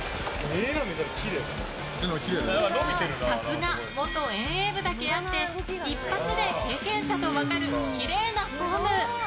さすが、元遠泳部だけあって一発で経験者と分かるきれいなフォーム。